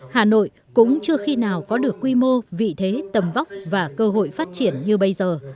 hà nội cũng chưa khi nào có được quy mô vị thế tầm vóc và cơ hội phát triển như bây giờ